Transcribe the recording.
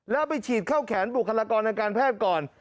แล้วไปฉีดเข้าแขนบุคลากรทางการแพทย์ก่อน